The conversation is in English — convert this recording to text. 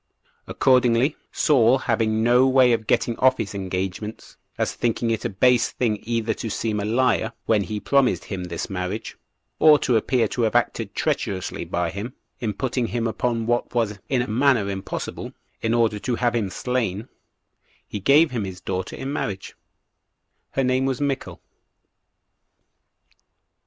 Accordingly, Saul having no way of getting off his engagements, as thinking it a base thing either to seem a liar when he promised him this marriage, or to appear to have acted treacherously by him, in putting him upon what was in a manner impossible, in order to have him slain, he gave him his daughter in marriage: her name was Michal.